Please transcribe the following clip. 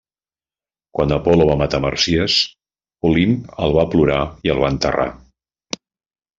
Quan Apol·lo va matar Màrsies Olimp el va plorar i el va enterrar.